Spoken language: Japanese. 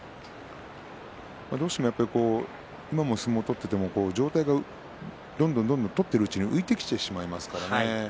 どうしても今も相撲、取っていても上体がどんどんどんどん取っているうちに浮いてきてしまいますからね。